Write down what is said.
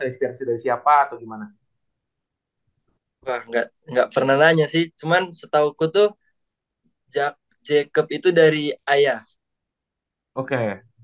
swmaxuch atau gimana nggak nggak pernah nanya sih cuman setau itu jag jacob itu dari ayah oke